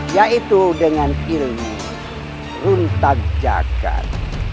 yaitu dengan ilmu runtah jagad